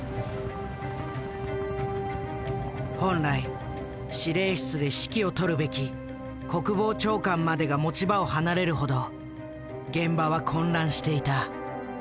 本来司令室で指揮を執るべき国防長官までが持ち場を離れるほど現場は混乱していた。